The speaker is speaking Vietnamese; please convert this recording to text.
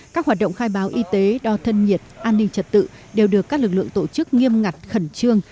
các hoạt động khai báo y tế đo thân nhiệt an ninh trật tự đều được các lực lượng tổ chức nghiêm ngặt khẩn trương